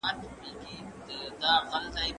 که خټه وي نو مجسمه نه جوړیږي.